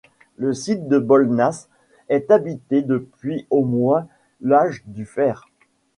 Le site de Bollnäs est habité depuis au moins l'âge du fer.